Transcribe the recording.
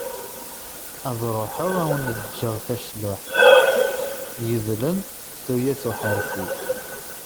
Ad ruḥeγ ad awen-ğğeγ tacluḥt, yedlen tuyat uḥerfi.